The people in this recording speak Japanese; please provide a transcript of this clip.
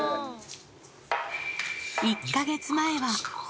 １か月前は。